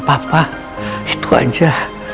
papa itu aja